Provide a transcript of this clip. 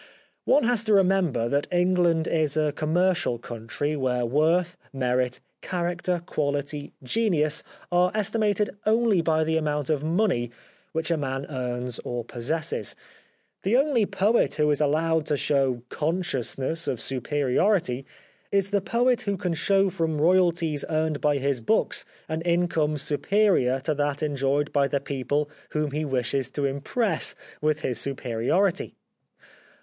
One has to remember that England is a com mercial country where worth, merit, character, quality, genius are estimated only by the amount of money which a man earns or possesses. The only poet who is allowed to show consciousness of superiority is the poet who can show from royalties earned by his books an income superior to that enjoyed by the people whom he wishes to impress with his superiority.